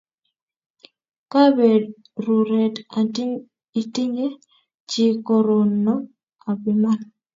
Kaperuret itinye chi choronok ap iman